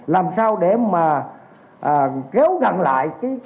làm sao để kéo gần lại thu nhập mức sống giữa hai vùng